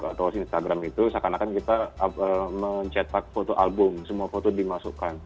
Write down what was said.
atau instagram itu seakan akan kita mencetak foto album semua foto dimasukkan